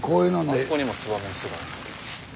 あそこにもツバメの巣がある。